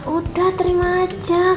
udah terima aja